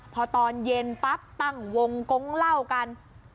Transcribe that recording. พอตอนเย็นปั๊บตั้งวงกงเล่ากัน